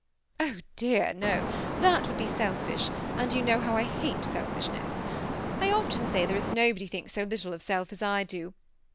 " Oh dear, no, that would be selfish ; and you know how I hate selfishness. I often say there is nobody thinks so little of self as I do.